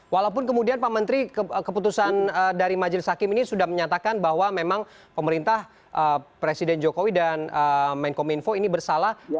walaupun kemudian pak menteri keputusan dari majelis hakim ini sudah menyatakan bahwa memang pemerintah presiden jokowi dan menkominfo ini bersalah